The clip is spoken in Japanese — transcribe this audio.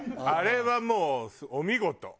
あれはもうお見事。